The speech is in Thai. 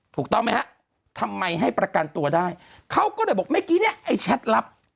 ถูกต้องไหมฮะทำไมให้ประกันตัวได้เขาก็เลยบอกเมื่อกี้เนี่ยไอ้แชทลับ